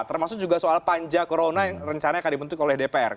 termasuk juga soal panja corona yang rencana akan dibentuk oleh dpr